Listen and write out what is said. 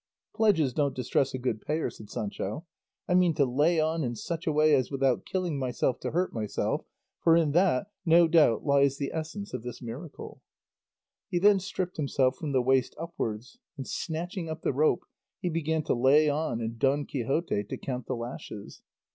"'Pledges don't distress a good payer,'" said Sancho; "I mean to lay on in such a way as without killing myself to hurt myself, for in that, no doubt, lies the essence of this miracle." He then stripped himself from the waist upwards, and snatching up the rope he began to lay on and Don Quixote to count the lashes.